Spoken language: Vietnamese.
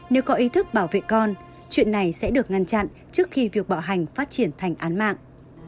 nếu có ý thức bảo vệ con chuyện này sẽ được ngăn chặn trước khi việc bạo hành phát triển thành án mạng